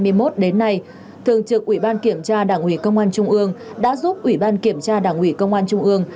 từ nay thường trực ủy ban kiểm tra đảng ủy công an trung ương đã giúp ủy ban kiểm tra đảng ủy công an trung ương